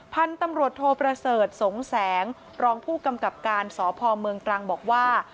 พันธุ์ตำรวจโทประเสริฐสงแสงรองผู้กำกับการสพเมืองตรังบอกว่า